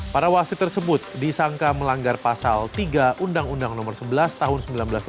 para wasit tersebut disangka melanggar pasal tiga undang undang nomor sebelas tahun seribu sembilan ratus delapan puluh